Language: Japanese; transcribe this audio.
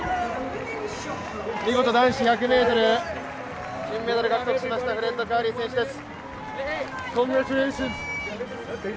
見事、男子１００ｍ、金メダルを獲得しましたフレッド・カーリー選手です。